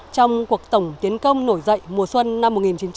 trong cuộc tổng tiến công nổi dậy mùa xuân năm một nghìn chín trăm bảy mươi năm